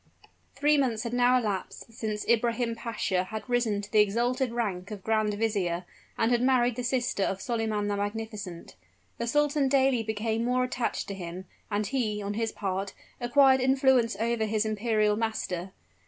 Three months had now elapsed since Ibrahim Pasha had risen to the exalted rank of grand vizier, and had married the sister of Solyman the Magnificent. The sultan daily became more attached to him; and he, on his part, acquired influence over his imperial master.